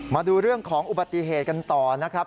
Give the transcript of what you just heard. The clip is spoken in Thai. มาดูเรื่องของอุบัติเหตุกันต่อนะครับ